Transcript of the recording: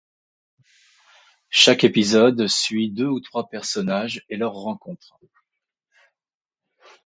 Chaque épisode suit deux ou trois personnages et leur rencontre.